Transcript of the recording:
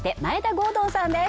郷敦さんです